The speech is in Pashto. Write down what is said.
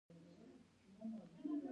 ډي این اې د وراثت کوډونه لیږدوي